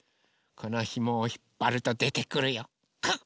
このひもをひっぱるとでてくるよ。